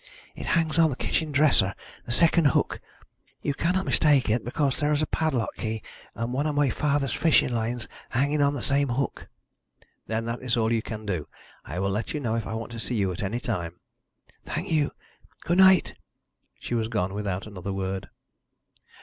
"It hangs on the kitchen dresser the second hook. You cannot mistake it, because there is a padlock key and one of my father's fishing lines hanging on the same hook." "Then that is all you can do. I will let you know if I want to see you at any time." "Thank you. Good night!" She was gone without another word.